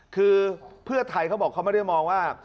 คือเพื่อไทยเขาบอกเขาไม่ได้มองว่า